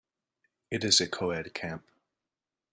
It is a coed camp.